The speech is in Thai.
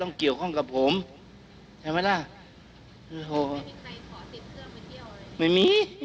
เรียกร้องให้นายกรัฐมนตรี